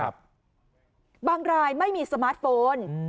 บางรายไม่มีสมาร์ทโฟน